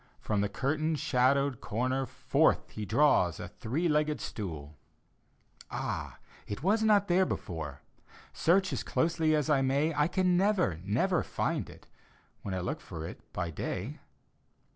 From the curtain shadowed comer Forth he draws a three legged stool — {Ah, it was not there before! Search as closely as I may, I can never, never find it When I look for it by day!)